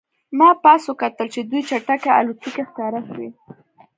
ما پاس وکتل چې دوې چټکې الوتکې ښکاره شوې